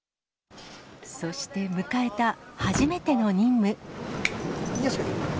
そして迎えた初めての任務。